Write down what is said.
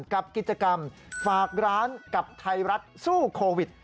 กับกิจกรรมฝากร้านกับไทยรัฐสู้โควิด